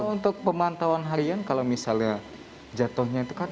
untuk pemantauan harian kalau misalnya jatuhnya itu kan